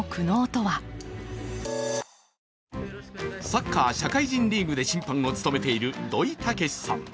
サッカー、社会人リーグで審判を務めている土肥武史さん。